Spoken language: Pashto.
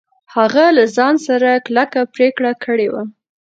هغه له ځان سره کلکه پرېکړه کړې وه.